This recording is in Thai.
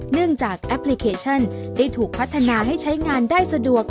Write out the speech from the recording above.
จากแอปพลิเคชันได้ถูกพัฒนาให้ใช้งานได้สะดวก